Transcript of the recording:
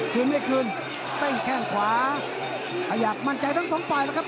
คืนเรียกคืนเต้นแข้งขวาขยับมั่นใจทั้งสองฝ่ายแล้วครับ